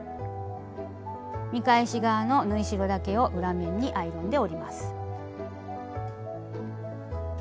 見返し側の縫い代だけを裏面にアイロンで折ります。